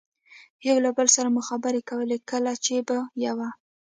یو له بل سره مو خبرې کولې، کله چې به یوه.